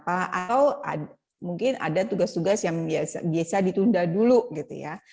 atau mungkin ada tugas tugas yang biasa ditunda dulu gitu ya